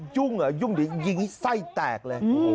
ยุ่งเหรอยิงให้ไส้แตกเลย